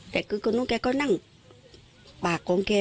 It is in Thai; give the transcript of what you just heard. แต่ลูกเขากลดล้อปแสกลง